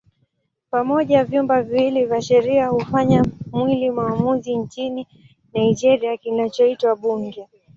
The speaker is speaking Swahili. Pamoja vyumba viwili vya sheria hufanya mwili maamuzi nchini Nigeria kinachoitwa Bunge.